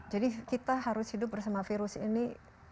jadi kita harus hidup bersama virus ini